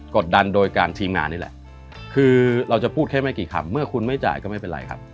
ดดันโดยการทีมงานนี่แหละคือเราจะพูดแค่ไม่กี่คำเมื่อคุณไม่จ่ายก็ไม่เป็นไรครับ